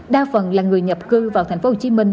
đa phần là người nhập cư vào thành phố hồ chí minh